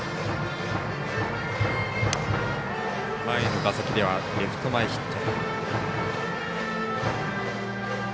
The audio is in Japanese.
前の打席ではレフト前ヒット。